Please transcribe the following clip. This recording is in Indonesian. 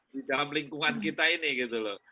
di dalam lingkungan kita ini gitu loh